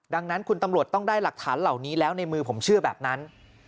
ดังนั้นคุณตำรวจต้องได้หลักฐานเหล่านี้แล้วในมือผมเชื่อแบบนั้น